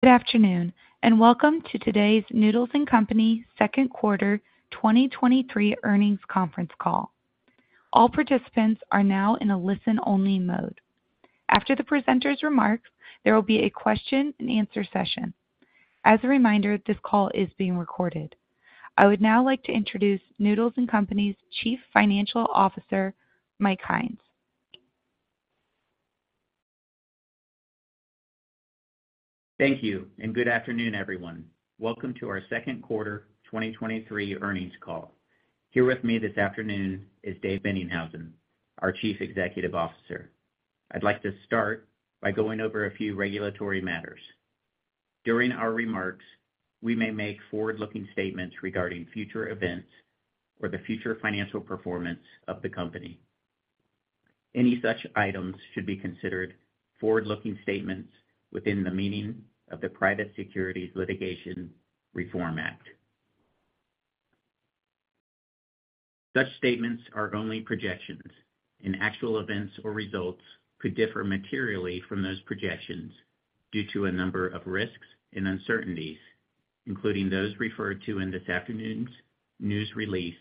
Good afternoon, and welcome to today's Noodles & Company second quarter 2023 earnings conference call. All participants are now in a listen-only mode. After the presenter's remarks, there will be a question and answer session. As a reminder, this call is being recorded. I would now like to introduce Noodles & Company's Chief Financial Officer, Mike Hynes. Thank you, good afternoon, everyone. Welcome to our second quarter 2023 earnings call. Here with me this afternoon is Dave Boennighausen, our Chief Executive Officer. I'd like to start by going over a few regulatory matters. During our remarks, we may make forward-looking statements regarding future events or the future financial performance of the company. Any such items should be considered forward-looking statements within the meaning of the Private Securities Litigation Reform Act. Such statements are only projections, and actual events or results could differ materially from those projections due to a number of risks and uncertainties, including those referred to in this afternoon's news release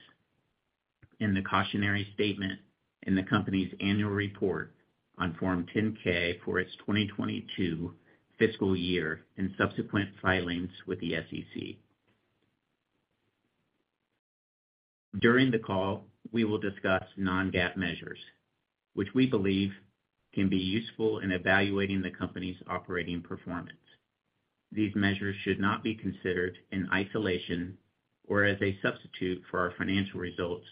and the cautionary statement in the company's annual report on Form 10-K for its 2022 fiscal year and subsequent filings with the SEC. During the call, we will discuss non-GAAP measures, which we believe can be useful in evaluating the company's operating performance. These measures should not be considered in isolation or as a substitute for our financial results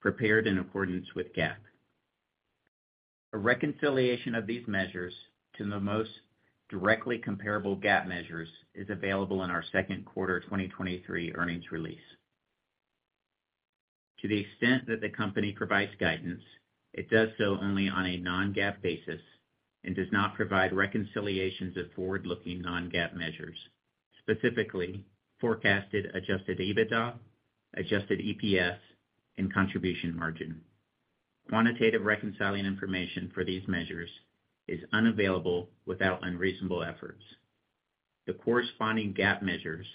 prepared in accordance with GAAP. A reconciliation of these measures to the most directly comparable GAAP measures is available in our second quarter 2023 earnings release. To the extent that the company provides guidance, it does so only on a non-GAAP basis and does not provide reconciliations of forward-looking non-GAAP measures, specifically forecasted adjusted EBITDA, adjusted EPS, and contribution margin. Quantitative reconciling information for these measures is unavailable without unreasonable efforts. The corresponding GAAP measures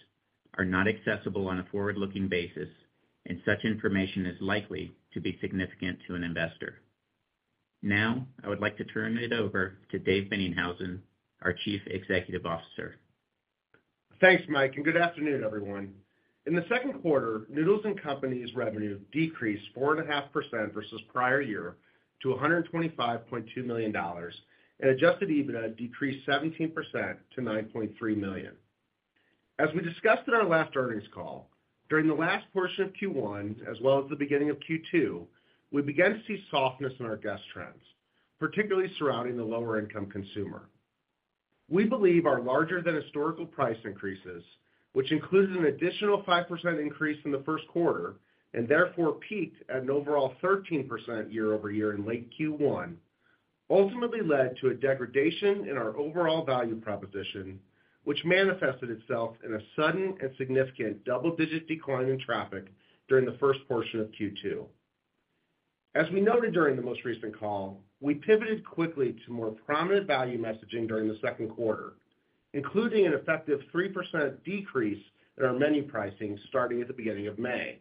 are not accessible on a forward-looking basis, and such information is likely to be significant to an investor. Now, I would like to turn it over to Dave Boennighausen, our Chief Executive Officer. Thanks, Mike. Good afternoon, everyone. In the second quarter, Noodles & Company's revenue decreased 4.5% versus prior year to $125.2 million, and adjusted EBITDA decreased 17% to $9.3 million. As we discussed in our last earnings call, during the last portion of Q1, as well as the beginning of Q2, we began to see softness in our guest trends, particularly surrounding the lower-income consumer. We believe our larger than historical price increases, which includes an additional 5% increase in the first quarter, and therefore peaked at an overall 13% year-over-year in late Q1, ultimately led to a degradation in our overall value proposition, which manifested itself in a sudden and significant double-digit decline in traffic during the first portion of Q2. As we noted during the most recent call, we pivoted quickly to more prominent value messaging during the second quarter, including an effective 3% decrease in our menu pricing starting at the beginning of May.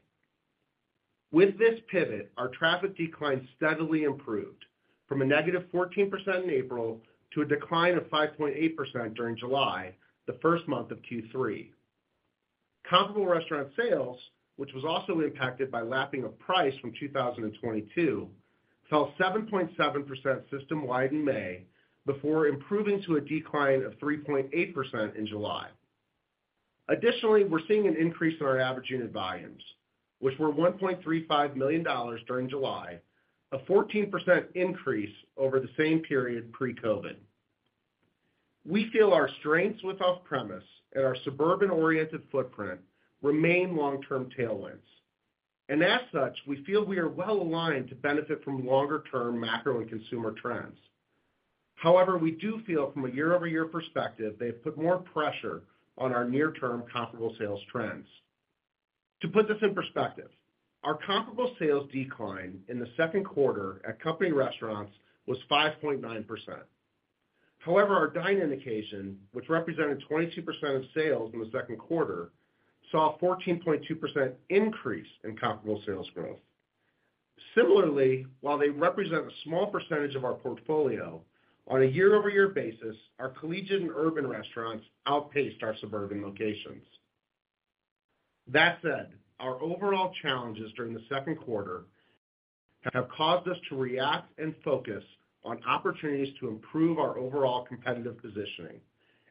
With this pivot, our traffic decline steadily improved from a negative 14% in April to a decline of 5.8% during July, the first month of Q3. Comparable restaurant sales, which was also impacted by lapping of price from 2022, fell 7.7% system-wide in May before improving to a decline of 3.8% in July. Additionally, we're seeing an increase in our average unit volumes, which were $1.35 million during July, a 14% increase over the same period pre-COVID. We feel our strengths with off-premise and our suburban-oriented footprint remain long-term tailwinds. As such, we feel we are well aligned to benefit from longer-term macro and consumer trends. We do feel from a year-over-year perspective, they have put more pressure on our near-term comparable sales trends. To put this in perspective, our comparable sales decline in the second quarter at company restaurants was 5.9%. Our dine-in occasion, which represented 22% of sales in the second quarter, saw a 14.2% increase in comparable sales growth. Similarly, while they represent a small percentage of our portfolio on a year-over-year basis, our collegiate and urban restaurants outpaced our suburban locations. That said, our overall challenges during the second quarter have caused us to react and focus on opportunities to improve our overall competitive positioning,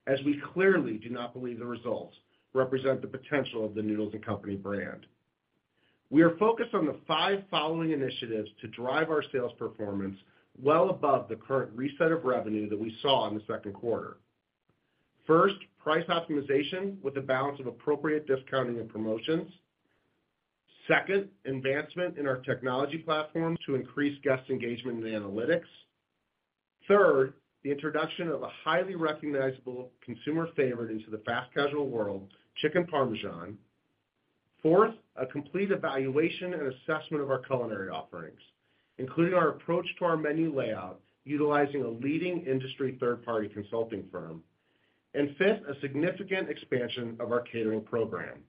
as we clearly do not believe the results represent the potential of the Noodles & Company brand. We are focused on the five following initiatives to drive our sales performance well above the current reset of revenue that we saw in the second quarter. First, price optimization with a balance of appropriate discounting and promotions. Second, advancement in our technology platform to increase guest engagement and analytics. Third, the introduction of a highly recognizable consumer favorite into the fast casual world, Chicken Parmesan. Fourth, a complete evaluation and assessment of our culinary offerings, including our approach to our menu layout, utilizing a leading industry third-party consulting firm. Fifth, a significant expansion of our catering program.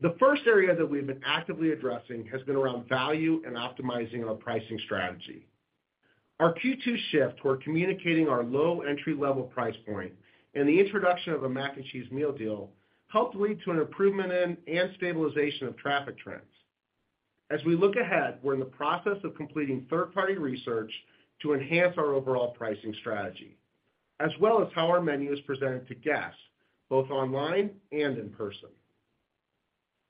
The first area that we've been actively addressing has been around value and optimizing our pricing strategy. Our Q2 shift toward communicating our low entry-level price point and the introduction of a mac and cheese meal deal helped lead to an improvement in and stabilization of traffic trends. As we look ahead, we're in the process of completing third-party research to enhance our overall pricing strategy, as well as how our menu is presented to guests, both online and in person.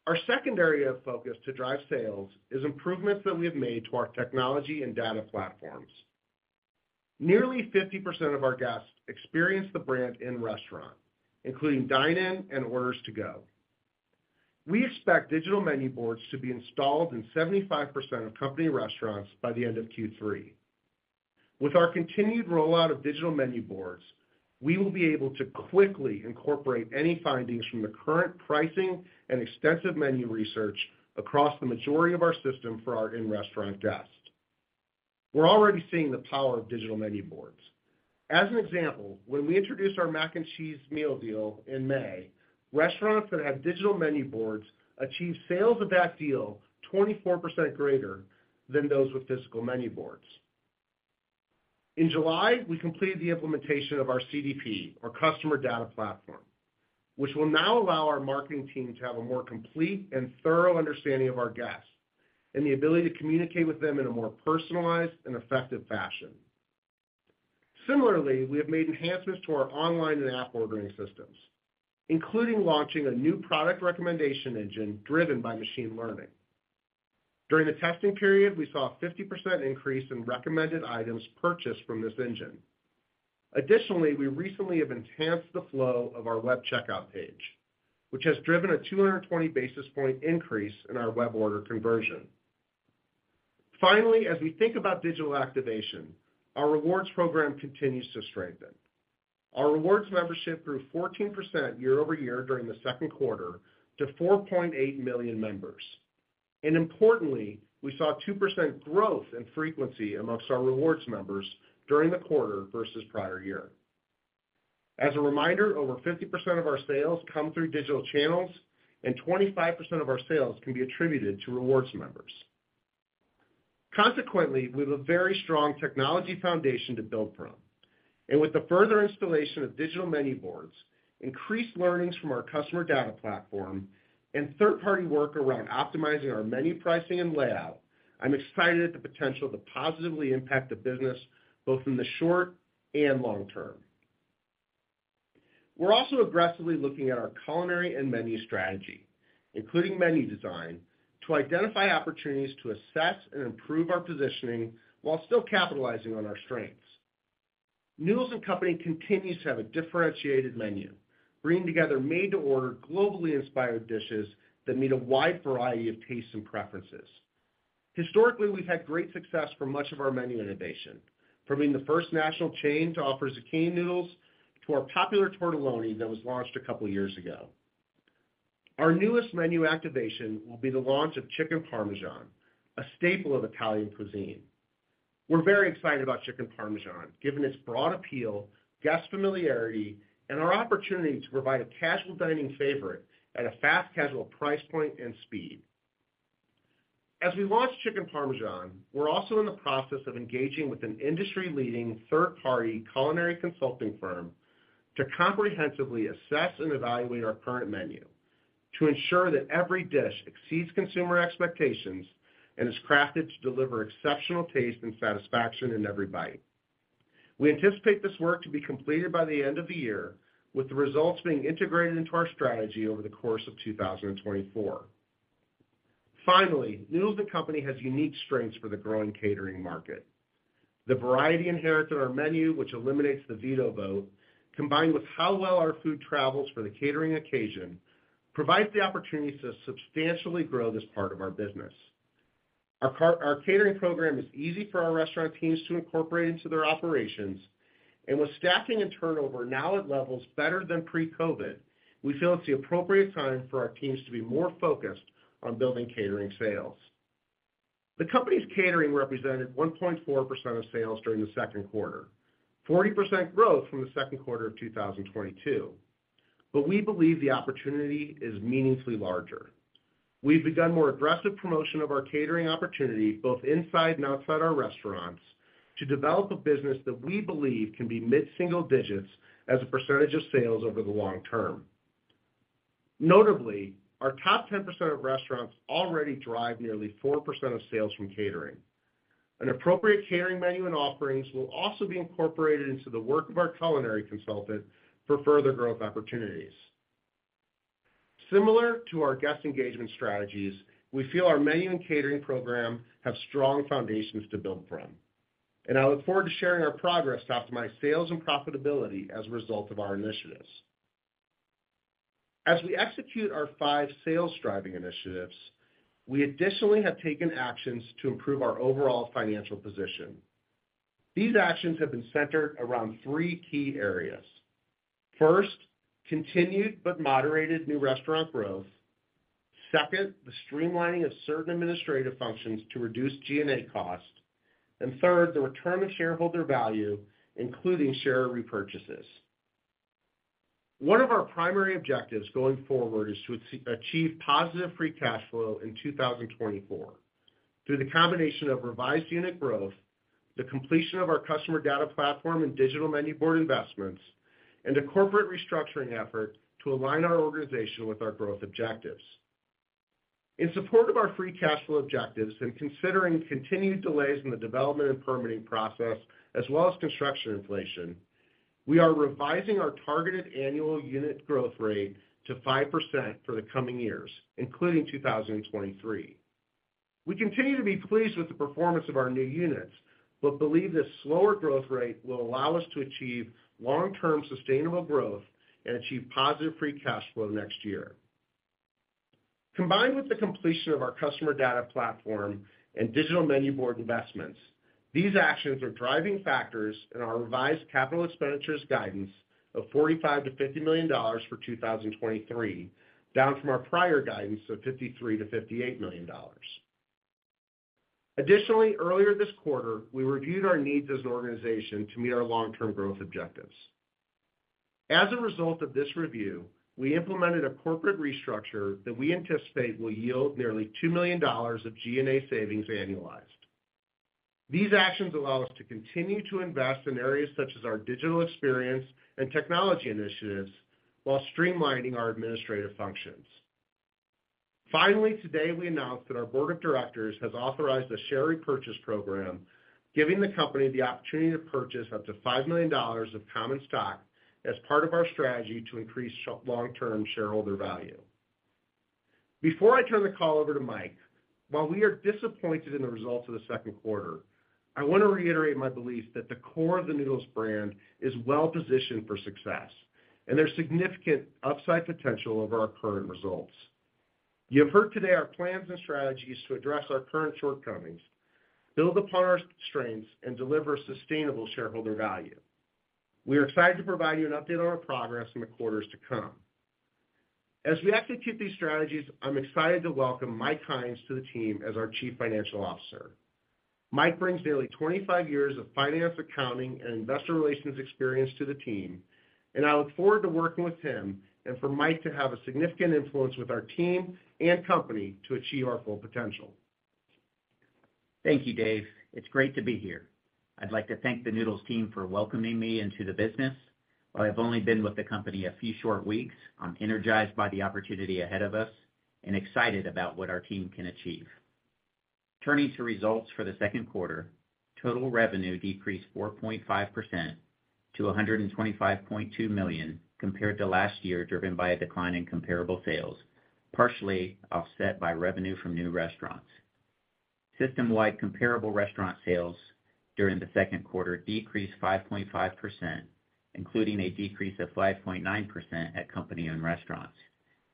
Our second area of focus to drive sales is improvements that we have made to our technology and data platforms. Nearly 50% of our guests experience the brand in restaurant, including dine-in and orders to go. We expect digital menu boards to be installed in 75% of company restaurants by the end of Q3. With our continued rollout of digital menu boards, we will be able to quickly incorporate any findings from the current pricing and extensive menu research across the majority of our system for our in-restaurant guests. We're already seeing the power of digital menu boards. As an example, when we introduced our mac and cheese meal deal in May, restaurants that had digital menu boards achieved sales of that deal 24% greater than those with physical menu boards. In July, we completed the implementation of our CDP, our customer data platform, which will now allow our marketing team to have a more complete and thorough understanding of our guests and the ability to communicate with them in a more personalized and effective fashion. Similarly, we have made enhancements to our online and app ordering systems, including launching a new product recommendation engine driven by machine learning. During the testing period, we saw a 50% increase in recommended items purchased from this engine. Additionally, we recently have enhanced the flow of our web checkout page, which has driven a 220 basis point increase in our web order conversion. Finally, as we think about digital activation, our rewards program continues to strengthen. Our rewards membership grew 14% year-over-year during the second quarter to 4.8 million members. Importantly, we saw 2% growth in frequency amongst our rewards members during the quarter versus prior year. As a reminder, over 50% of our sales come through digital channels, and 25% of our sales can be attributed to rewards members. Consequently, we have a very strong technology foundation to build from, and with the further installation of digital menu boards, increased learnings from our customer data platform, and third-party work around optimizing our menu pricing and layout, I'm excited at the potential to positively impact the business, both in the short and long term. We're also aggressively looking at our culinary and menu strategy, including menu design, to identify opportunities to assess and improve our positioning while still capitalizing on our strengths. Noodles & Company continues to have a differentiated menu, bringing together made-to-order, globally inspired dishes that meet a wide variety of tastes and preferences. Historically, we've had great success for much of our menu innovation, from being the first national chain to offer zucchini noodles to our popular tortelloni that was launched a couple of years ago. Our newest menu activation will be the launch of Chicken Parmesan, a staple of Italian cuisine. We're very excited about Chicken Parmesan, given its broad appeal, guest familiarity, and our opportunity to provide a casual dining favorite at a fast-casual price point and speed. As we launch Chicken Parmesan, we're also in the process of engaging with an industry-leading third-party culinary consulting firm to comprehensively assess and evaluate our current menu to ensure that every dish exceeds consumer expectations and is crafted to deliver exceptional taste and satisfaction in every bite. We anticipate this work to be completed by the end of the year, with the results being integrated into our strategy over the course of 2024. Finally, Noodles & Company has unique strengths for the growing catering market. The variety inherent in our menu, which eliminates the veto vote, combined with how well our food travels for the catering occasion, provides the opportunity to substantially grow this part of our business. Our catering program is easy for our restaurant teams to incorporate into their operations, and with staffing and turnover now at levels better than pre-COVID, we feel it's the appropriate time for our teams to be more focused on building catering sales. The company's catering represented 1.4% of sales during the second quarter, 40% growth from the second quarter of 2022. We believe the opportunity is meaningfully larger. We've begun more aggressive promotion of our catering opportunity, both inside and outside our restaurants, to develop a business that we believe can be mid-single digits as a % of sales over the long term. Notably, our top 10% of restaurants already drive nearly 4% of sales from catering. An appropriate catering menu and offerings will also be incorporated into the work of our culinary consultant for further growth opportunities. Similar to our guest engagement strategies, we feel our menu and catering program have strong foundations to build from, and I look forward to sharing our progress to optimize sales and profitability as a result of our initiatives. As we execute our five sales-driving initiatives, we additionally have taken actions to improve our overall financial position. These actions have been centered around 3 key areas. First, continued but moderated new restaurant growth. Second, the streamlining of certain administrative functions to reduce G&A costs. Third, the return of shareholder value, including share repurchases. One of our primary objectives going forward is to achieve positive free cash flow in 2024 through the combination of revised unit growth, the completion of our customer data platform and digital menu board investments, and a corporate restructuring effort to align our organization with our growth objectives. In support of our free cash flow objectives and considering continued delays in the development and permitting process, as well as construction inflation, we are revising our targeted annual unit growth rate to 5% for the coming years, including 2023. We continue to be pleased with the performance of our new units, but believe this slower growth rate will allow us to achieve long-term sustainable growth and achieve positive free cash flow next year. Combined with the completion of our customer data platform and digital menu board investments, these actions are driving factors in our revised capital expenditures guidance of $45 million-$50 million for 2023, down from our prior guidance of $53 million-$58 million. Additionally, earlier this quarter, we reviewed our needs as an organization to meet our long-term growth objectives. As a result of this review, we implemented a corporate restructure that we anticipate will yield nearly $2 million of G&A savings annualized. These actions allow us to continue to invest in areas such as our digital experience and technology initiatives, while streamlining our administrative functions. Finally, today, we announced that our board of directors has authorized a share repurchase program, giving the company the opportunity to purchase up to $5 million of common stock as part of our strategy to increase long-term shareholder value. Before I turn the call over to Mike, while we are disappointed in the results of the second quarter, I want to reiterate my belief that the core of the Noodles brand is well positioned for success, there's significant upside potential over our current results. You have heard today our plans and strategies to address our current shortcomings, build upon our strengths, and deliver sustainable shareholder value. We are excited to provide you an update on our progress in the quarters to come. As we execute these strategies, I'm excited to welcome Mike Hynes to the team as our Chief Financial Officer. Mike brings nearly 25 years of finance, accounting, and investor relations experience to the team, and I look forward to working with him and for Mike to have a significant influence with our team and company to achieve our full potential. Thank you, Dave. It's great to be here. I'd like to thank the Noodles team for welcoming me into the business. While I've only been with the company a few short weeks, I'm energized by the opportunity ahead of us and excited about what our team can achieve. Turning to results for the second quarter, total revenue decreased 4.5% to $125.2 million compared to last year, driven by a decline in comparable sales, partially offset by revenue from new restaurants. System-wide comparable restaurant sales during the second quarter decreased 5.5%, including a decrease of 5.9% at company-owned restaurants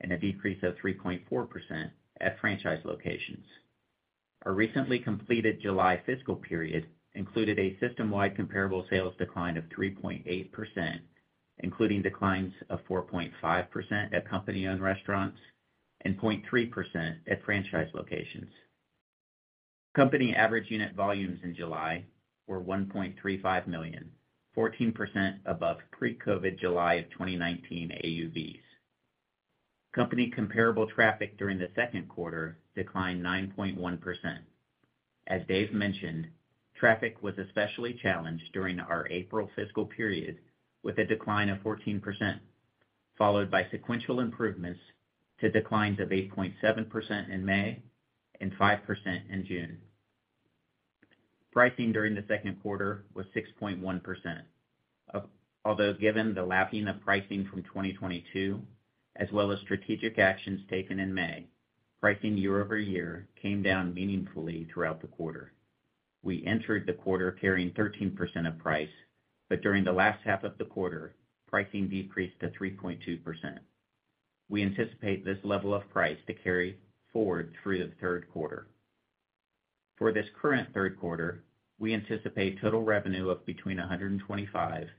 and a decrease of 3.4% at franchise locations. Our recently completed July fiscal period included a system-wide comparable sales decline of 3.8%, including declines of 4.5% at company-owned restaurants and 0.3% at franchise locations. Company average unit volumes in July were $1.35 million, 14% above pre-COVID July of 2019 AUVs. Company comparable traffic during the second quarter declined 9.1%. As Dave mentioned, traffic was especially challenged during our April fiscal period with a decline of 14%, followed by sequential improvements to declines of 8.7% in May and 5% in June. Pricing during the second quarter was 6.1%. Although, given the lapping of pricing from 2022, as well as strategic actions taken in May, pricing year-over-year came down meaningfully throughout the quarter. We entered the quarter carrying 13% of price, but during the last half of the quarter, pricing decreased to 3.2%. We anticipate this level of price to carry forward through the third quarter. For this current third quarter, we anticipate total revenue of between $125 million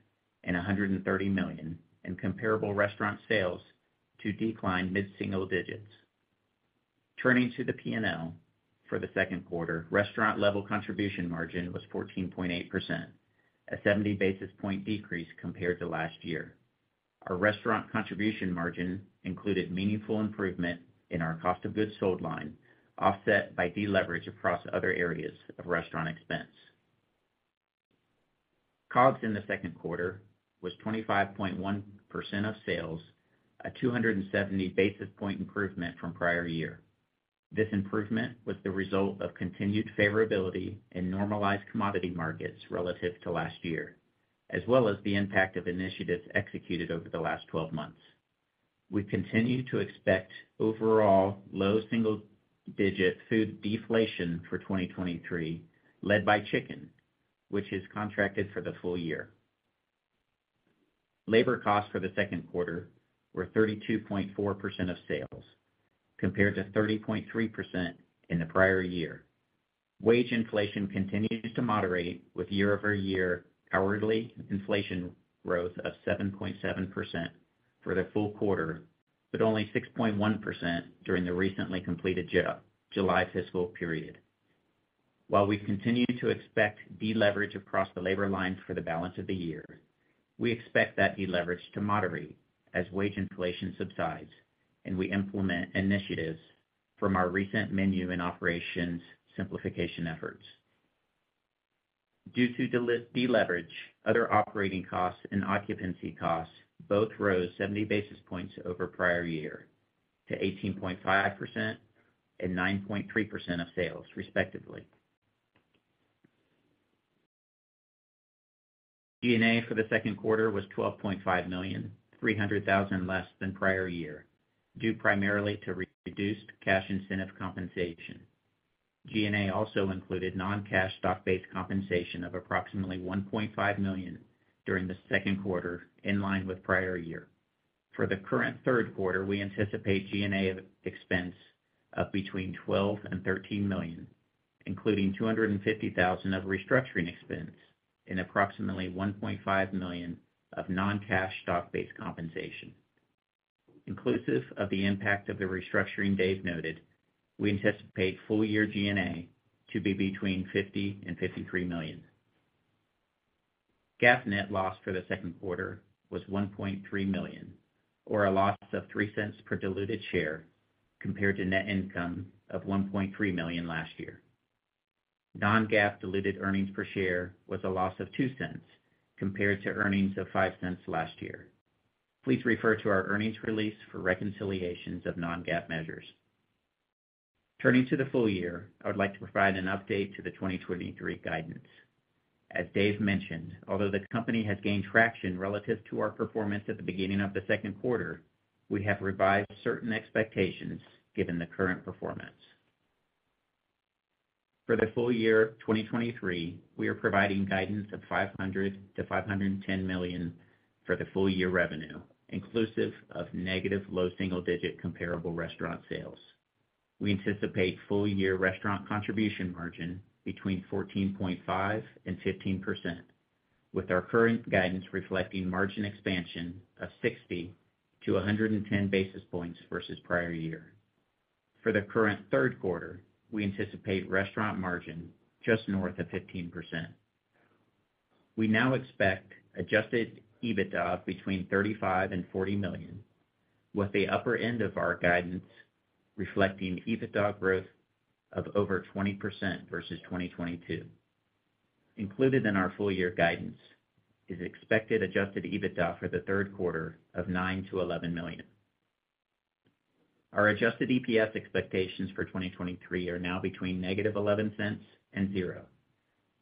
and $130 million, and comparable restaurant sales to decline mid-single digits. Turning to the P&L for the second quarter, restaurant level contribution margin was 14.8%, a 70 basis point decrease compared to last year. Our restaurant contribution margin included meaningful improvement in our cost of goods sold line, offset by deleverage across other areas of restaurant expense. COGS in the second quarter was 25.1% of sales, a 270 basis point improvement from prior year. This improvement was the result of continued favorability in normalized commodity markets relative to last year, as well as the impact of initiatives executed over the last 12 months. We continue to expect overall low single-digit food deflation for 2023, led by chicken, which is contracted for the full year. Labor costs for the second quarter were 32.4% of sales, compared to 30.3% in the prior year. Wage inflation continues to moderate, with year-over-year hourly inflation growth of 7.7% for the full quarter, but only 6.1% during the recently completed July fiscal period. While we continue to expect deleverage across the labor lines for the balance of the year, we expect that deleverage to moderate as wage inflation subsides and we implement initiatives from our recent menu and operations simplification efforts. Due to deleverage, other operating costs and occupancy costs both rose 70 basis points over prior year to 18.5% and 9.3% of sales, respectively. G&A for the second quarter was $12.5 million, $300,000 less than prior year, due primarily to reduced cash incentive compensation. G&A also included non-cash stock-based compensation of approximately $1.5 million during the second quarter, in line with prior year. For the current third quarter, we anticipate G&A of expense of between $12 million and $13 million, including $250,000 of restructuring expense and approximately $1.5 million of non-cash stock-based compensation. Inclusive of the impact of the restructuring Dave noted, we anticipate full year G&A to be between $50 million and $53 million. GAAP net loss for the second quarter was $1.3 million, or a loss of $0.03 per diluted share, compared to net income of $1.3 million last year. Non-GAAP diluted earnings per share was a loss of $0.02, compared to earnings of $0.05 last year. Please refer to our earnings release for reconciliations of non-GAAP measures. Turning to the full year, I would like to provide an update to the 2023 guidance. As Dave mentioned, although the company has gained traction relative to our performance at the beginning of the second quarter, we have revised certain expectations given the current performance. For the full year 2023, we are providing guidance of $500 million-$510 million for the full year revenue, inclusive of negative low single-digit comparable restaurant sales. We anticipate full year restaurant contribution margin between 14.5% and 15%, with our current guidance reflecting margin expansion of 60-110 basis points versus prior year. For the current third quarter, we anticipate restaurant margin just north of 15%. We now expect adjusted EBITDA between $35 million and $40 million, with the upper end of our guidance reflecting EBITDA growth of over 20% versus 2022. Included in our full year guidance is expected adjusted EBITDA for the third quarter of $9 million-$11 million. Our adjusted EPS expectations for 2023 are now between -$0.11 and $0.00.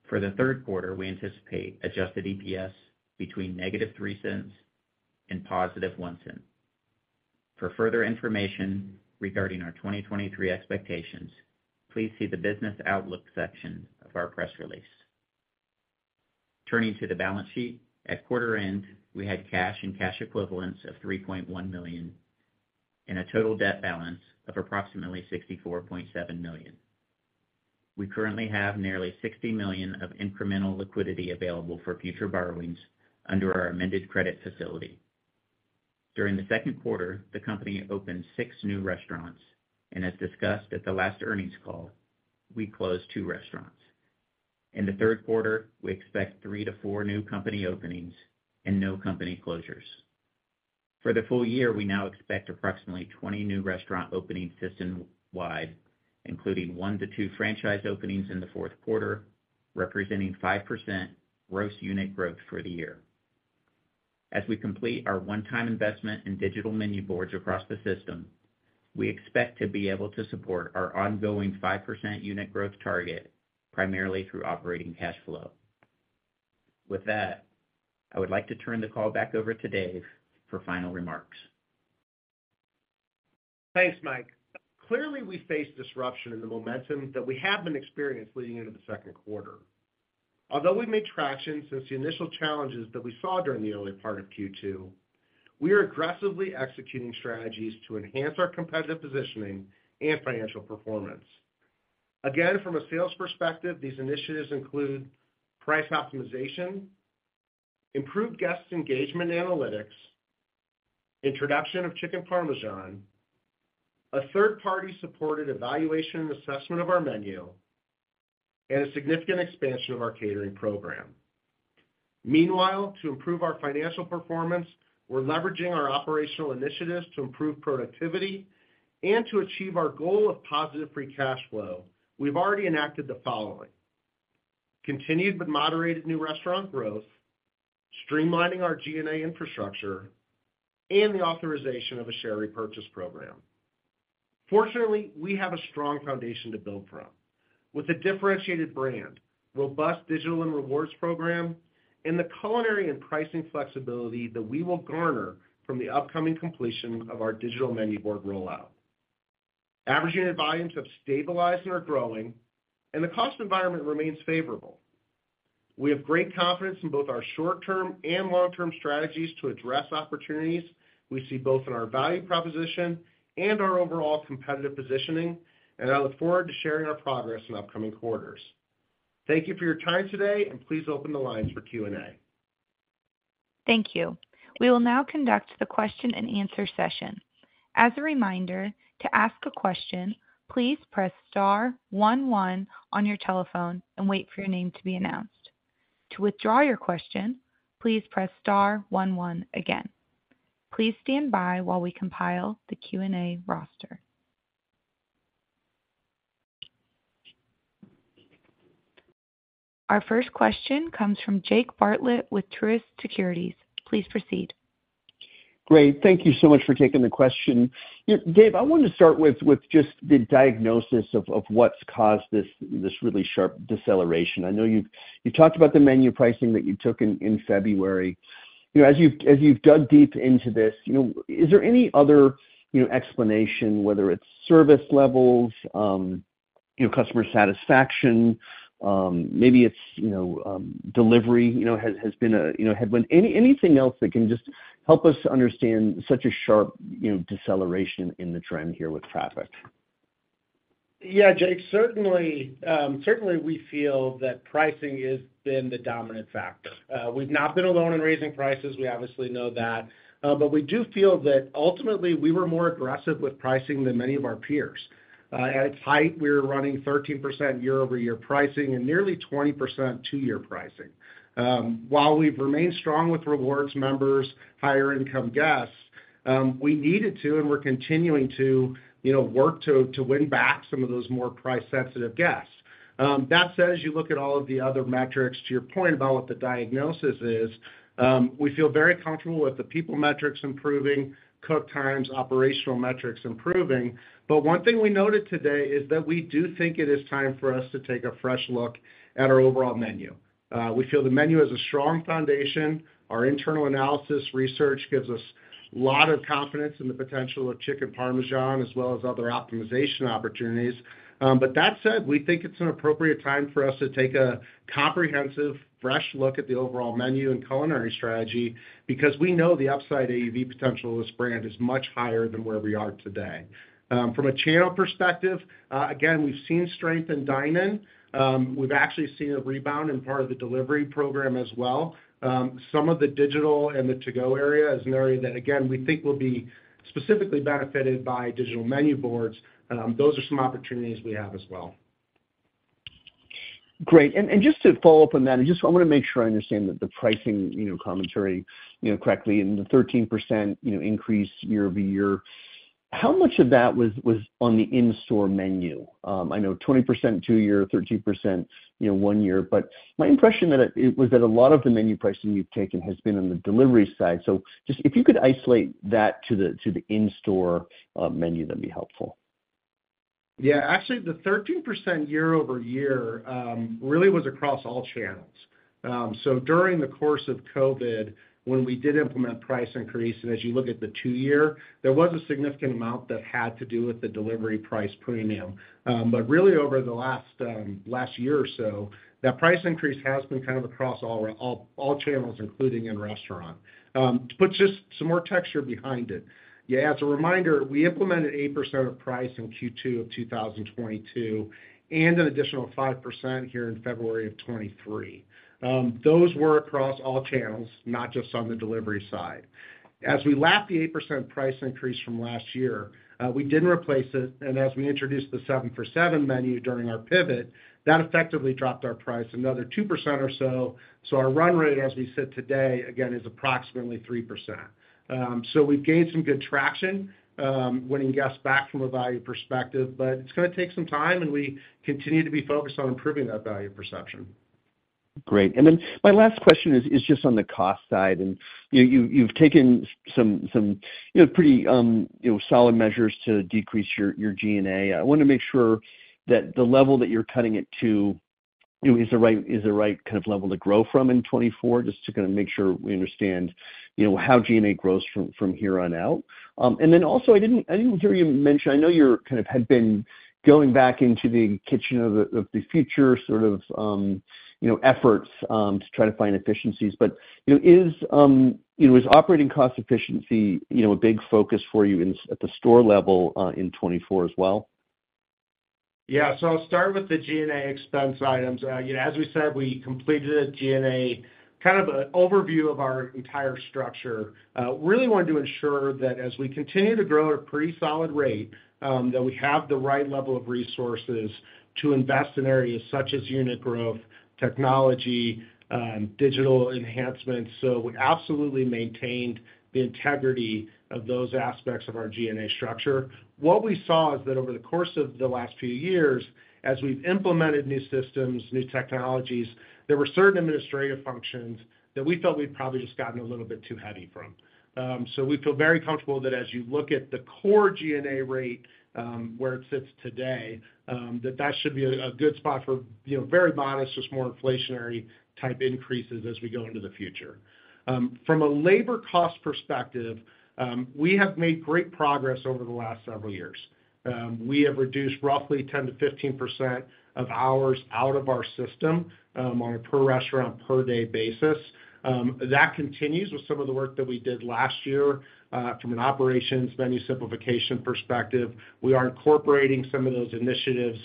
For the third quarter, we anticipate adjusted EPS between -$0.03 and $0.01. For further information regarding our 2023 expectations, please see the business outlook section of our press release. Turning to the balance sheet. At quarter end, we had cash and cash equivalents of $3.1 million and a total debt balance of approximately $64.7 million. We currently have nearly $60 million of incremental liquidity available for future borrowings under our amended credit facility. During the second quarter, the company opened 6 new restaurants, and as discussed at the last earnings call, we closed 2 restaurants. In the third quarter, we expect 3-4 new company openings and no company closures. For the full year, we now expect approximately 20 new restaurant openings system-wide, including 1-2 franchise openings in the fourth quarter, representing 5% gross unit growth for the year. As we complete our one-time investment in digital menu boards across the system, we expect to be able to support our ongoing 5% unit growth target, primarily through operating cash flow. With that, I would like to turn the call back over to Dave for final remarks. Thanks, Mike. Clearly, we face disruption in the momentum that we have been experiencing leading into the second quarter. Although we've made traction since the initial challenges that we saw during the early part of Q2, we are aggressively executing strategies to enhance our competitive positioning and financial performance. Again, from a sales perspective, these initiatives include price optimization, improved guest engagement analytics, introduction of Chicken Parmesan, a third-party supported evaluation and assessment of our menu, and a significant expansion of our catering program. Meanwhile, to improve our financial performance, we're leveraging our operational initiatives to improve productivity. To achieve our goal of positive free cash flow, we've already enacted the following: continued but moderated new restaurant growth, streamlining our G&A infrastructure, and the authorization of a share repurchase program. Fortunately, we have a strong foundation to build from. With a differentiated brand, robust digital and rewards program, and the culinary and pricing flexibility that we will garner from the upcoming completion of our digital menu board rollout. Average unit volumes have stabilized and are growing. The cost environment remains favorable. We have great confidence in both our short-term and long-term strategies to address opportunities we see both in our value proposition and our overall competitive positioning. I look forward to sharing our progress in upcoming quarters. Thank you for your time today, and please open the lines for Q&A. Thank you. We will now conduct the question-and-answer session. As a reminder, to ask a question, please press star one, one on your telephone and wait for your name to be announced. To withdraw your question, please press star one, one again. Please stand by while we compile the Q&A roster. Our first question comes from Jake Bartlett with Truist Securities. Please proceed. Great. Thank you so much for taking the question. Dave, I wanted to start with, with just the diagnosis of, of what's caused this, this really sharp deceleration. I know you've, you talked about the menu pricing that you took in, in February. As you've dug deep into this, is there any other explanation, whether it's service levels, customer satisfaction, maybe it's delivery has been a, you know, headwind. Anything else that can just help us understand such a sharp, you know, deceleration in the trend here with traffic? Yeah, Jake, certainly, certainly we feel that pricing has been the dominant factor. We've not been alone in raising prices. We obviously know that, but we do feel that ultimately, we were more aggressive with pricing than many of our peers. At its height, we were running 13% year-over-year pricing and nearly 20% 2-year pricing. While we've remained strong with rewards members, higher income guests, we needed to and we're continuing to, you know, work to, to win back some of those more price-sensitive guests. That said, as you look at all of the other metrics, to your point about what the diagnosis is, we feel very comfortable with the people metrics improving, cook times, operational metrics improving. One thing we noted today is that we do think it is time for us to take a fresh look at our overall menu. We feel the menu is a strong foundation. Our internal analysis research gives us a lot of confidence in the potential of Chicken Parmesan as well as other optimization opportunities. That said, it's an appropriate time for us to take a comprehensive, fresh look at the overall menu and culinary strategy because we know the upside AUV potential of this brand is much higher than where we are today. From a channel perspective, again, we've seen strength in dine-in. We've actually seen a rebound in part of the delivery program as well. Some of the digital and the to-go area is an area that, again, we think will be specifically benefited by digital menu boards. Those are some opportunities we have as well. Great. Just to follow up on that, I just wanna make sure I understand that the pricing, you know, commentary correctly, and the 13%, you know, increase year-over-year. How much of that was, was on the in-store menu? I know 20% 2-year, 13%, you know, 1-year, but my impression was that a lot of the menu pricing you've taken has been on the delivery side. Just if you could isolate that to the, to the in-store menu, that'd be helpful. Yeah, actually, the 13% year-over-year really was across all channels. During the course of COVID, when we did implement price increase, and as you look at the 2-year, there was a significant amount that had to do with the delivery price premium. Really, over the last year or so, that price increase has been kind of across all, all, all channels, including in-restaurant. Just some more texture behind it. Yeah, as a reminder, we implemented 8% of price in Q2 of 2022 and an additional 5% here in February of 2023. Those were across all channels, not just on the delivery side. We lapped the 8% price increase from last year, we did replace it, and as we introduced the $7 for 7 menu during our pivot, that effectively dropped our price another 2% or so. Our run rate, as we sit today, again, is approximately 3%. We've gained some good traction, winning guests back from a value perspective, but it's gonna take some time, and we continue to be focused on improving that value perception. Great. My last question is just on the cost side. You've taken some, some, you know, pretty, you know, solid measures to decrease your, your G&A. I want to make sure that the level that you're cutting it to, you know, is the right, is the right kind of level to grow from in 2024, just to kind of make sure we understand, you know, how G&A grows from, from here on out. Then also, I didn't, I didn't hear you mention... I know you're kind of had been going back into the Kitchen of the Future sort of, you know, efforts, to try to find efficiencies, but, you know, is, you know, is operating cost efficiency, you know, a big focus for you at the store level, in 2024 as well? Yeah, so I'll start with the G&A expense items. As we said, we completed a G&A, kind of an overview of our entire structure. Really wanted to ensure that as we continue to grow at a pretty solid rate, that we have the right level of resources to invest in areas such as unit growth, technology, digital enhancements. We absolutely maintained the integrity of those aspects of our G&A structure. What we saw is that over the course of the last few years, as we've implemented new systems, new technologies, there were certain administrative functions that we felt we'd probably just gotten a little bit too heavy from. We feel very comfortable that as you look at the core G&A rate, where it sits today, that that should be a, a good spot for, you know, very modest, just more inflationary type increases as we go into the future. From a labor cost perspective, we have made great progress over the last several years. We have reduced roughly 10%-15% of hours out of our system on a per restaurant, per day basis. That continues with some of the work that we did last year from an operations menu simplification perspective. We are incorporating some of those initiatives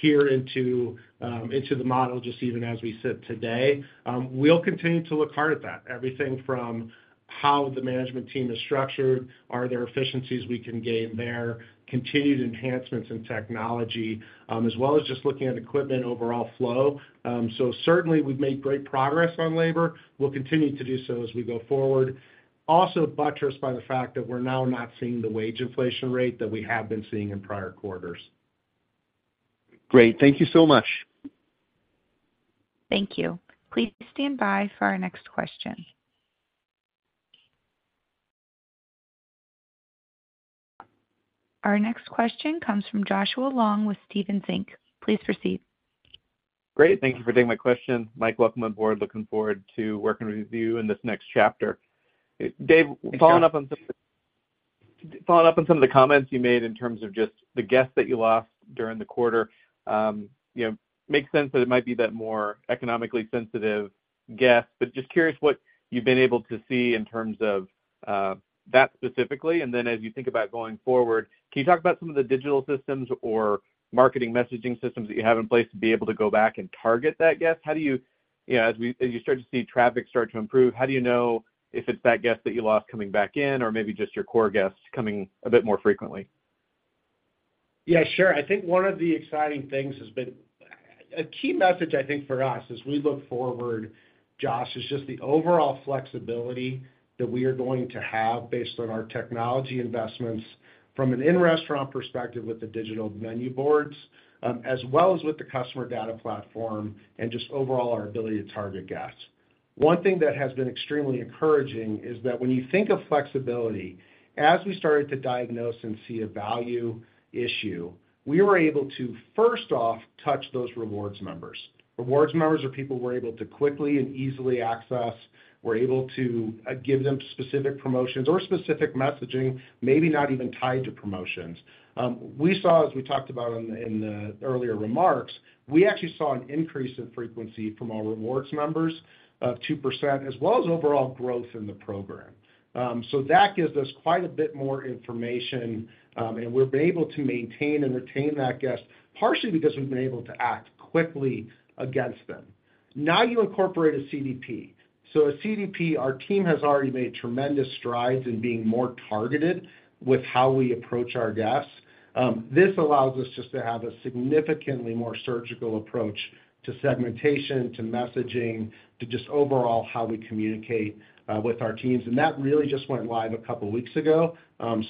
here into the model, just even as we sit today. We'll continue to look hard at that. Everything from how the management team is structured, are there efficiencies we can gain there, continued enhancements in technology, as well as just looking at equipment overall flow. Certainly, we've made great progress on labor. We'll continue to do so as we go forward. Also, buttressed by the fact that we're now not seeing the wage inflation rate that we have been seeing in prior quarters. Great. Thank you so much. Thank you. Please stand by for our next question. Our next question comes from Joshua Long with Stephens Inc. Please proceed. Great, thank you for taking my question. Mike, welcome aboard. Looking forward to working with you in this next chapter. Dave, following up on some of the, following up on some of the comments you made in terms of just the guests that you lost during the quarter, you know, makes sense that it might be that more economically sensitive guest, but just curious what you've been able to see in terms of that specifically. Then as you think about going forward, can you talk about some of the digital systems or marketing messaging systems that you have in place to be able to go back and target that guest? How do you, you know, as you start to see traffic start to improve, how do you know if it's that guest that you lost coming back in, or maybe just your core guests coming a bit more frequently? Yeah, sure. One of the exciting things has been, for us as we look forward, Josh, is just the overall flexibility that we are going to have based on our technology investments from an in-restaurant perspective with the digital menu boards, as well as with the customer data platform and just overall, our ability to target guests. One thing that has been extremely encouraging is that when you think of flexibility, as we started to diagnose and see a value issue, we were able to, first off, touch those rewards members. Rewards members are people we're able to quickly and easily access. We're able to give them specific promotions or specific messaging, maybe not even tied to promotions. We saw, as we talked about in the earlier remarks, we actually saw an increase in frequency from our rewards members of 2%, as well as overall growth in the program. That gives us quite a bit more information, and we've been able to maintain and retain that guest, partially because we've been able to act quickly against them. Now, you incorporate a CDP. A CDP, our team has already made tremendous strides in being more targeted with how we approach our guests. This allows us just to have a significantly more surgical approach to segmentation, to messaging, to just overall how we communicate with our teams. That really just went live a couple of weeks ago,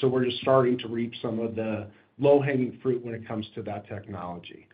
so we're just starting to reap some of the low-hanging fruit when it comes to that technology.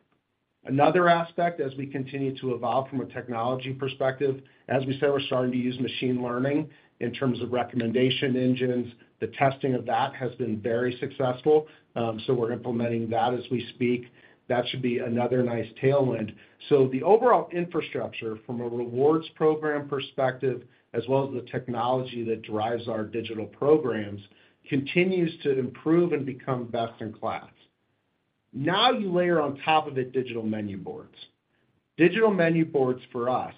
Another aspect, as we continue to evolve from a technology perspective, as we said, we're starting to use machine learning in terms of recommendation engines. The testing of that has been very successful, so we're implementing that as we speak. That should be another nice tailwind. The overall infrastructure from a rewards program perspective, as well as the technology that drives our digital programs, continues to improve and become best in class. You layer on top of it digital menu boards. Digital menu boards, for us,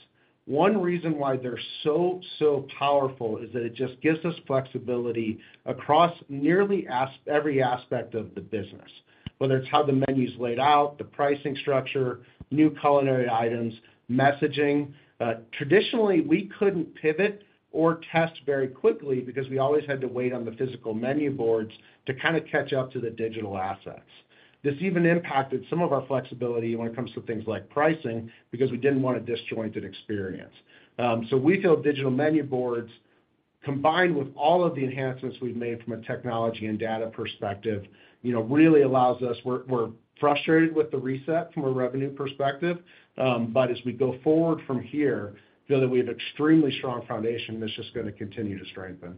one reason why they're so, so powerful is that it just gives us flexibility across nearly every aspect of the business, whether it's how the menu is laid out, the pricing structure, new culinary items, messaging. Traditionally, we couldn't pivot or test very quickly because we always had to wait on the physical menu boards to kind of catch up to the digital assets. This even impacted some of our flexibility when it comes to things like pricing, because we didn't want a disjointed experience. We feel digital menu boards, combined with all of the enhancements we've made from a technology and data perspective, you know, really allows us. We're frustrated with the reset from a revenue perspective, but as we go forward from here, feel that we have extremely strong foundation that's just going to continue to strengthen.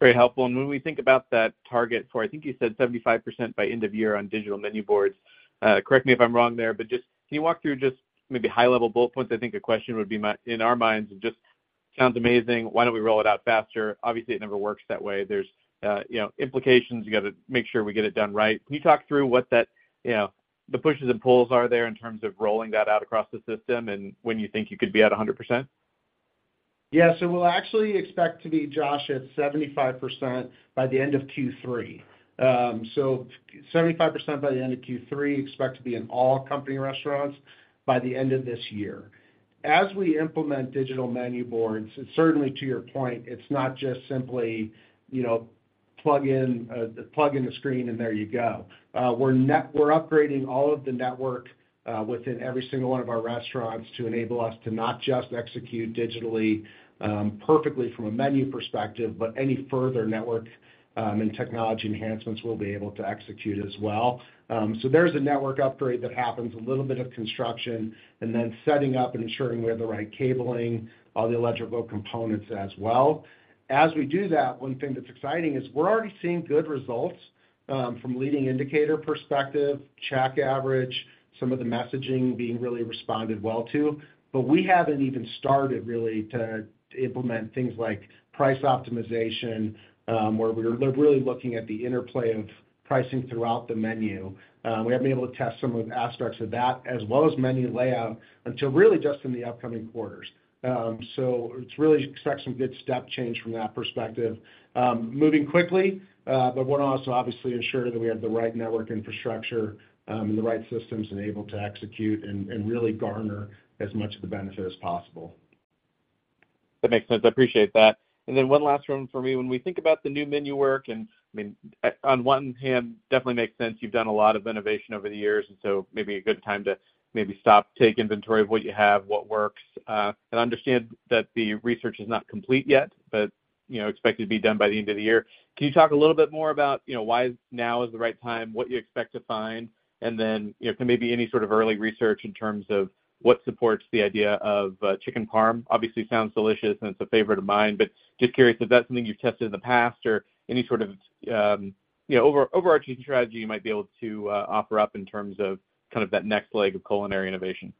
Very helpful. When we think about that target for, I think you said 75% by end of year on digital menu boards, correct me if I'm wrong there, but just can you walk through just maybe high-level bullet points? The question would be in our minds, and just sounds amazing, why don't we roll it out faster? Obviously, it never works that way. There's, you know, implications. You got to make sure we get it done right. Can you talk through what that, you know, the pushes and pulls are there in terms of rolling that out across the system and when you think you could be at 100%? Yeah. We'll actually expect to be, Josh, at 75% by the end of Q3. 75% by the end of Q3, expect to be in all company restaurants by the end of this year. As we implement digital menu boards, certainly to your point, it's not just simply, you know, plug in, plug in the screen and there you go. We're net- we're upgrading all of the network within every single one of our restaurants to enable us to not just execute digitally, perfectly from a menu perspective, but any further network and technology enhancements we'll be able to execute as well. There's a network upgrade that happens, a little bit of construction, and then setting up and ensuring we have the right cabling, all the electrical components as well. One thing that's exciting is we're already seeing good results, from leading indicator perspective, check average, some of the messaging being really responded well to. We haven't even started really to implement things like price optimization, where we're really looking at the interplay of pricing throughout the menu. We haven't been able to test some of the aspects of that, as well as menu layout, until really just in the upcoming quarters. It's really expect some good step change from that perspective. Moving quickly, want to also obviously ensure that we have the right network infrastructure, and the right systems enabled to execute and really garner as much of the benefit as possible. That makes sense. I appreciate that. Then one last one for me. When we think about the new menu work, and, I mean, on one hand, definitely makes sense. You've done a lot of innovation over the years, and so maybe a good time to maybe stop, take inventory of what you have, what works. I understand that the research is not complete yet, but, expected to be done by the end of the year. Can you talk a little bit more about, you know, why now is the right time, what you expect to find, and then any sort of early research in terms of what supports the idea of, Chicken Parmesan? Obviously, sounds delicious, and it's a favorite of mine, but just curious if that's something you've tested in the past or any sort of, you know, over-overarching strategy you might be able to offer up in terms of kind of that next leg of culinary innovation?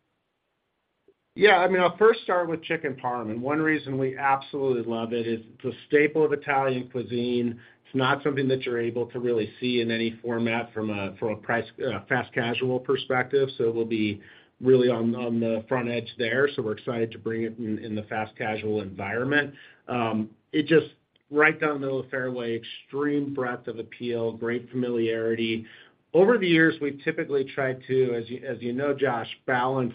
Yeah, I mean, I'll first start with Chicken Parmesan, and one reason we absolutely love it is it's a staple of Italian cuisine. It's not something that you're able to really see in any format from a, from a price, fast casual perspective, so it'll be really on, on the front edge there. We're excited to bring it in, in the fast casual environment. It just right down the middle of fairway, extreme breadth of appeal, great familiarity. Over the years, we've typically tried to, as you, as you know, Josh, balance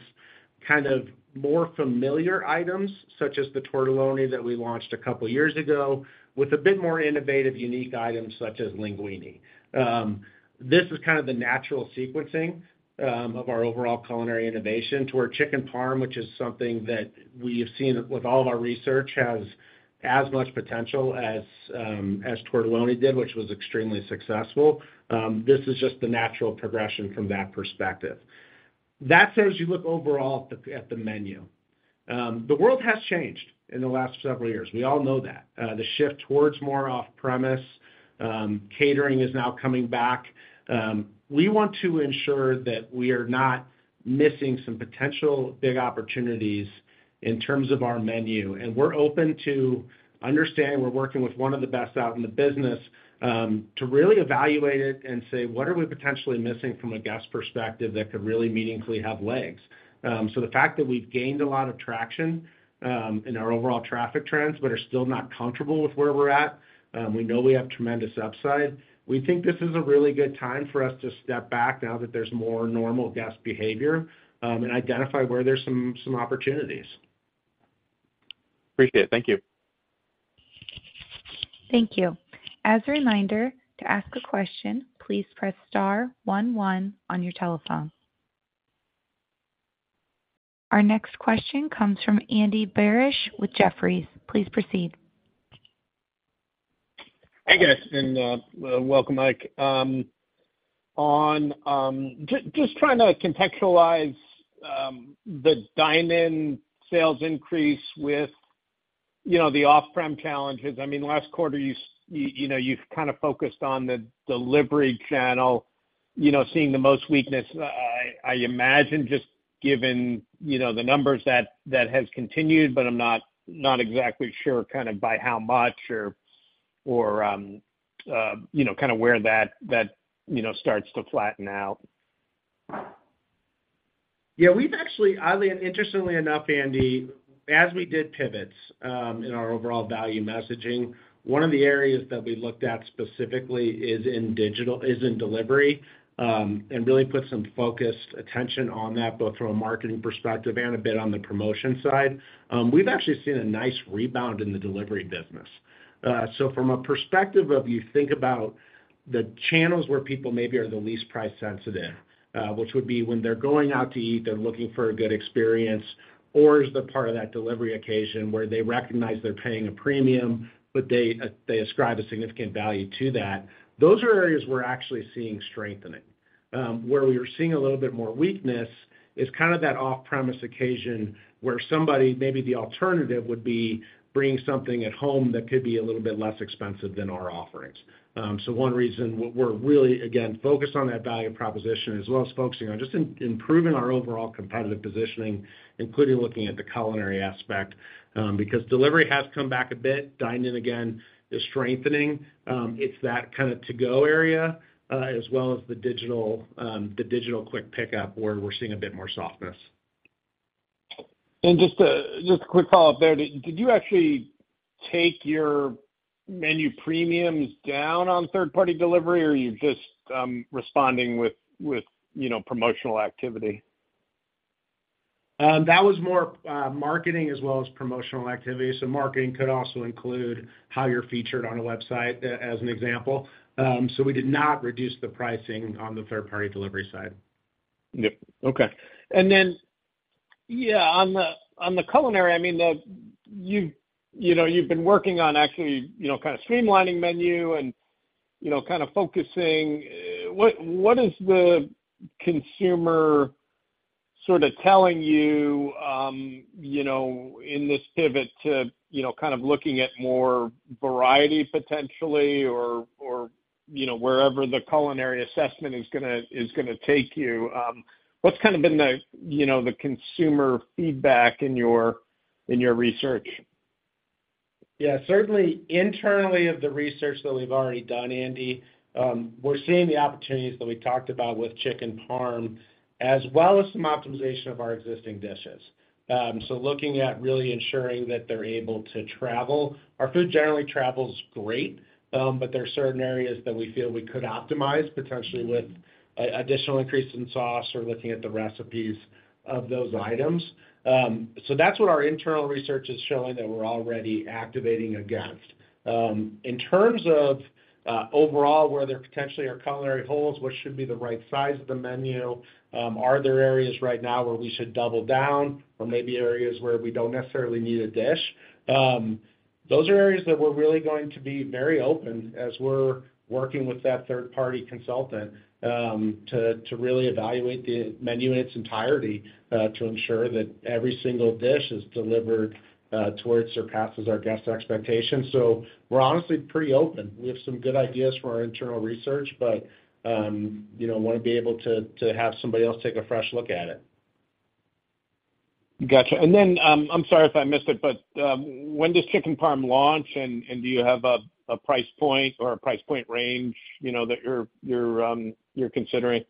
kind of more familiar items, such as the tortelloni that we launched a couple years ago, with a bit more innovative, unique items such as LEANguini. This is kind of the natural sequencing of our overall culinary innovation toward Chicken Parmesan, which is something that we have seen with all of our research, has as much potential as tortelloni did, which was extremely successful. This is just the natural progression from that perspective. That said, as you look overall at the, at the menu, the world has changed in the last several years. We all know that. The shift towards more off-premise, catering is now coming back. We want to ensure that we are not missing some potential big opportunities in terms of our menu, and we're open to understanding we're working with one of the best out in the business, to really evaluate it and say, "What are we potentially missing from a guest perspective that could really meaningfully have legs?" The fact that we've gained a lot of traction, in our overall traffic trends, but are still not comfortable with where we're at, we know we have tremendous upside. We think this is a really good time for us to step back now that there's more normal guest behavior, and identify where there's some, some opportunities. Appreciate it. Thank you. Thank you. As a reminder, to ask a question, please press star 1, 1 on your telephone. Our next question comes from Andy Barish with Jefferies. Please proceed. Hey, guys, welcome, Mike. Just trying to contextualize the dine-in sales increase with, you know, the off-prem challenges. I mean, last quarter, you, you know, you kind of focused on the delivery channel, you know, seeing the most weakness. I, I imagine just given, you know, the numbers that, that has continued, but I'm not, not exactly sure kind of by how much or, or, you know, kind of where that, that, you know, starts to flatten out. Yeah, we've actually, oddly and interestingly enough, Andy, as we did pivots, in our overall value messaging, one of the areas that we looked at specifically is in digital-- is in delivery, and really put some focused attention on that, both from a marketing perspective and a bit on the promotion side. We've actually seen a nice rebound in the delivery business. From a perspective of you think about the channels where people maybe are the least price sensitive, which would be when they're going out to eat, they're looking for a good experience, or is the part of that delivery occasion where they recognize they're paying a premium, but they, they ascribe a significant value to that. Those are areas we're actually seeing strengthening. Where we are seeing a little bit more weakness is kind of that off-premise occasion where somebody, maybe the alternative would be bringing something at home that could be a little bit less expensive than our offerings. One reason we're, we're really, again, focused on that value proposition, as well as focusing on just improving our overall competitive positioning, including looking at the culinary aspect, because delivery has come back a bit. Dine in, again, is strengthening. It's that kind of to-go area, as well as the digital, the digital quick pickup, where we're seeing a bit more softness. Just a quick follow-up there. Did you actually take your menu premiums down on third-party delivery, or are you just responding with, you know, promotional activity? That was more marketing as well as promotional activity. Marketing could also include how you're featured on a website, as an example. We did not reduce the pricing on the third-party delivery side. Yep. Okay. Yeah, on the culinary, you've been working on actually kind of streamlining menu and kind of focusing. What is the consumer sort of telling you in this pivot to, kind of looking at more variety potentially, or, wherever the culinary assessment is gonna take you? What's kind of been the, you know, the consumer feedback in your research? Yeah, certainly internally of the research that we've already done, Andy, we're seeing the opportunities that we talked about with Chicken Parmesan, as well as some optimization of our existing dishes. Looking at really ensuring that they're able to travel. Our food generally travels great, but there are certain areas that we feel we could optimize, potentially with additional increase in sauce or looking at the recipes of those items. That's what our internal research is showing, that we're already activating against. In terms of overall, where there potentially are culinary holes, what should be the right size of the menu, are there areas right now where we should double down or maybe areas where we don't necessarily need a dish? Those are areas that we're really going to be very open as we're working with that third-party consultant, to really evaluate the menu in its entirety, to ensure that every single dish is delivered, to where it surpasses our guest expectations. We're honestly pretty open. We have some good ideas for our internal research, but, you know, want to be able to have somebody else take a fresh look at it. Gotcha. I'm sorry if I missed it, but, when does Chicken Parmesan launch, and, and do you have a, a price point or a price point range, you know, that you're considering?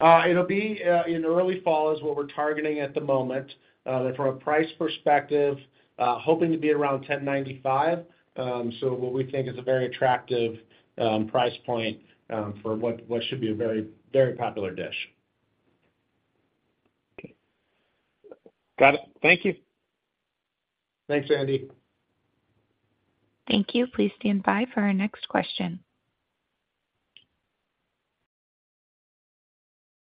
It'll be in early fall, is what we're targeting at the moment. From a price perspective, hoping to be around $10.95, so what we think is a very attractive price point for what should be a very, very popular dish. Okay. Got it. Thank you. Thanks, Andy. Thank you. Please stand by for our next question.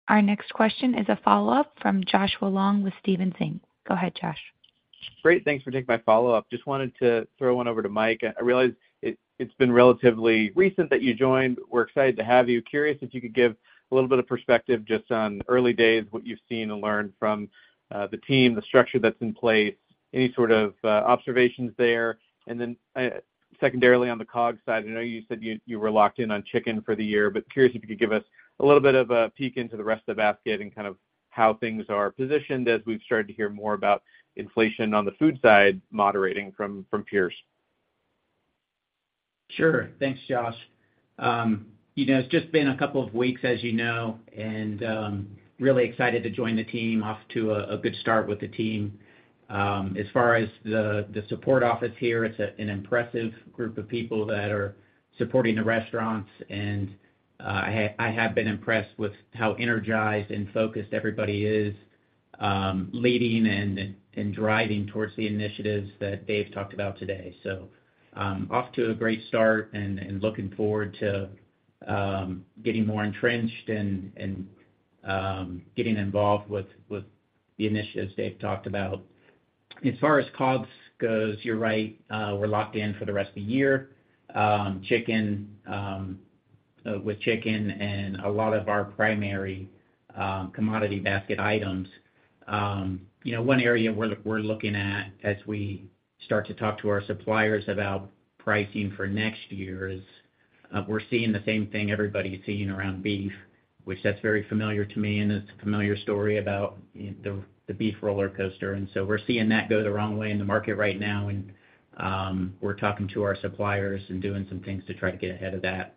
Our next question is a follow-up from Joshua Long with Stephens Inc. Go ahead, Josh. Great, thanks for taking my follow-up. Just wanted to throw one over to Mike. I realize it's been relatively recent that you joined. We're excited to have you. Curious if you could give a little bit of perspective just on early days, what you've seen and learned from the team, the structure that's in place, any sort of observations there? Then, secondarily, on the COGS side, I know you said you were locked in on chicken for the year, but curious if you could give us a little bit of a peek into the rest of the basket and kind of how things are positioned, as we've started to hear more about inflation on the food side, moderating from, from peers. Sure. Thanks, Josh. it's just been a couple of weeks, as you know, and, really excited to join the team. Off to a, a good start with the team. As far as the, the support office here, it's a, an impressive group of people that are supporting the restaurants, and, I have been impressed with how energized and focused everybody is, leading and, and driving towards the initiatives that Dave talked about today. Off to a great start and, and looking forward to, getting more entrenched and, and, getting involved with, with the initiatives Dave talked about. As far as COGS goes, you're right, we're locked in for the rest of the year. Chicken, with chicken and a lot of our primary, commodity basket items, you know, one area we're, we're looking at as we start to talk to our suppliers about pricing for next year is, we're seeing the same thing everybody's seeing around beef, which that's very familiar to me, and it's a familiar story about the, the beef rollercoaster. So we're seeing that go the wrong way in the market right now, and we're talking to our suppliers and doing some things to try to get ahead of that.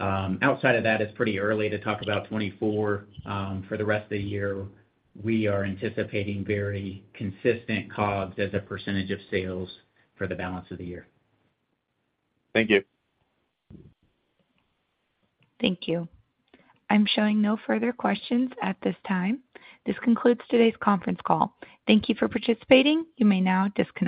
Outside of that, it's pretty early to talk about 2024. For the rest of the year, we are anticipating very consistent COGS as a percentage of sales for the balance of the year. Thank you. Thank you. I'm showing no further questions at this time. This concludes today's conference call. Thank you for participating. You may now disconnect.